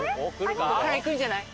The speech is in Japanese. ここからいくんじゃない？